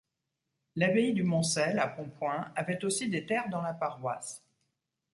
L'abbaye du Moncel, à Pontpoint, avait aussi des terres dans la paroisse.